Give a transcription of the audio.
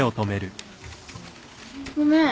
ごめん。